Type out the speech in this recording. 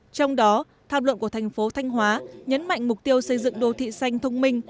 trong đó tham luận của tp thanh hóa nhấn mạnh mục tiêu xây dựng đô thị xanh thông minh